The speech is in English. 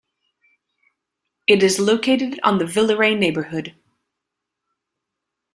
It is located on the Villeray neighborhood.